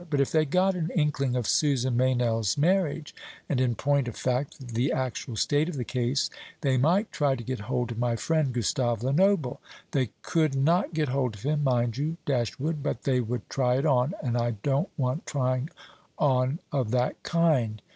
But if they got an inkling of Susan Meynell's marriage and, in point of fact the actual state of the case they might try to get hold of my friend, Gustave Lenoble. They could not get hold of him, mind you, Dashwood, but they would try it on, and I don't want trying on of that kind."